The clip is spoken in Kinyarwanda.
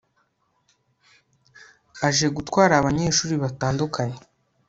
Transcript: ajegutwara abanyeshuri batandukanye